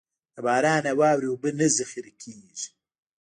د باران او واورې اوبه نه ذخېره کېږي.